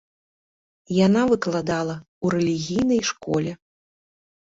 Яна выкладала ў рэлігійнай школе.